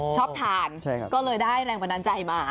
ชอบทานก็เลยได้แรงบันดาลใจมา